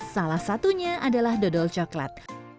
salah satunya adalah dodol coklat